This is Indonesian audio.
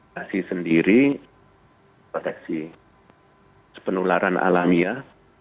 vaksinasi sendiri proteksi penularan alamiah